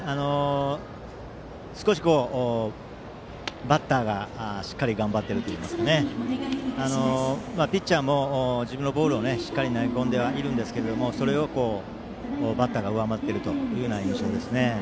少しバッターがしっかり頑張っているといいますかピッチャーも自分のボールをしっかり投げ込んでいますがそれをバッターが上回っている印象ですね。